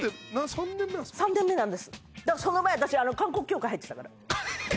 その前あたし観光協会入ってたから。